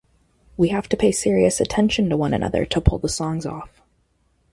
We have to pay serious attention to one another to pull the songs off.